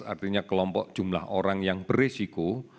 artinya kelompok jumlah orang yang beresiko